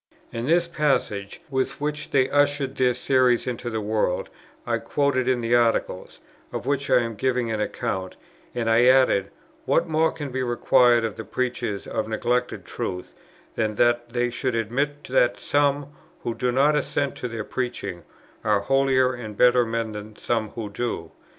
And this passage, with which they ushered their Series into the world, I quoted in the Article, of which I am giving an account, and I added, "What more can be required of the preachers of neglected truth, than that they should admit that some, who do not assent to their preaching, are holier and better men than some who do?"